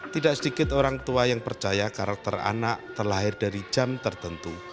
tidak sedikit orang tua yang percaya karakter anak terlahir dari jam tertentu